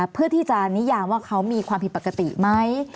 เพื่อที่จะนิยามว่าเขามีความผิดปกติไหม